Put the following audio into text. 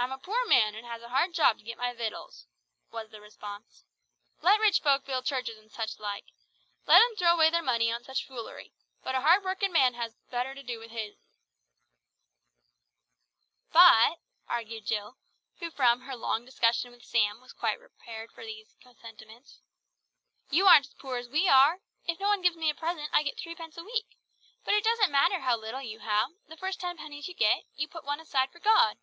"I'm a poor man, an' has a hard job to get my vittles," was the response. "Let rich folk build churches and such like. Let 'em throw away their money on such foolery, but a hard workin' man has better to do with his'n." "But," argued Jill, who from her long discussion with Sam was quite prepared for these sentiments, "you aren't as poor as we are. If no one gives me a present I get threepence a week, but it doesn't matter how little you have, the first ten pennies you get, you put one aside for God.